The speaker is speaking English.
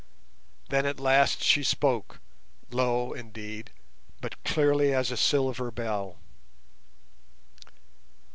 Then at last she spoke, low indeed, but clearly as a silver bell.